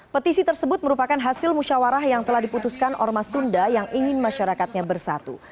petisi tersebut merupakan hasil musyawarah yang telah diputuskan ormas sunda yang ingin masyarakatnya bersatu